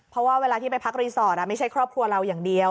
เพราะว่าเวลาที่ไปพักรีสอร์ทไม่ใช่ครอบครัวเราอย่างเดียว